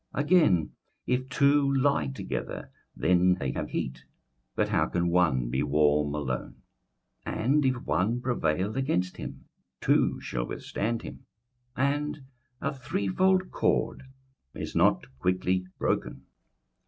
21:004:011 Again, if two lie together, then they have heat: but how can one be warm alone? 21:004:012 And if one prevail against him, two shall withstand him; and a threefold cord is not quickly broken.